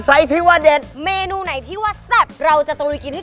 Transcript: ที่ว่าเด็ดเมนูไหนที่ว่าแซ่บเราจะตะลุยกินให้